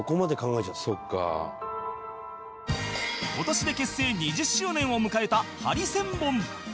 今年で結成２０周年を迎えたハリセンボン